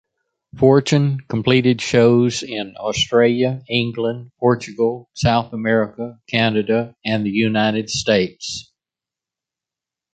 Fortune completed shows in Australia, England, Portugal, South America, Canada and the United States.